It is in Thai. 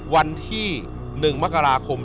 วันที่๑มกราคม